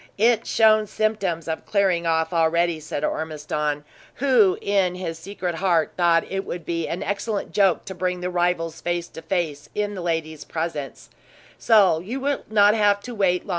"It shown symptoms of clearing off, already," said Ormiston, who, in his secret heart, thought it would be an excellent joke to bring the rivals face to face in the lady's presence; "so you will not have long to wait."